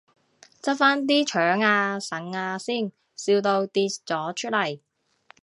執返啲腸啊腎啊先，笑到跌咗出嚟